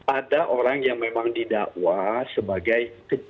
ada orang yang memang didakwa sebagai